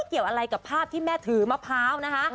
เกี่ยวอะไรกับภาพที่แม่ถือมะพร้าวนะคะ